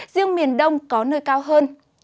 riêng miền đông có nơi cao hơn